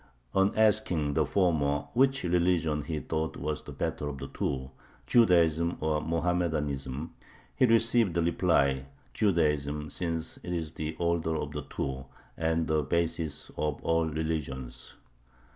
On asking the former which religion he thought was the better of the two, Judaism or Mohammedanism, he received the reply: Judaism, since it is the older of the two, and the basis of all religions.